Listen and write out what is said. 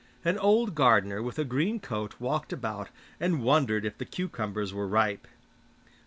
An old gardener with a green coat walked about and wondered if the cucumbers were ripe.